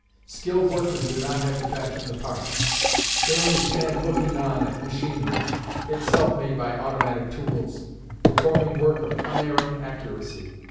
Skilled workmen do not have to fashion the parts. They only stand looking on at machinery itself made by automatic tools performing work of unerring accuracy.